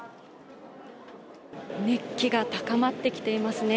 熱気が高まってきていますね。